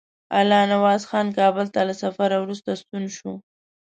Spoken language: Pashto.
الله نواز خان کابل ته له سفر وروسته ستون شو.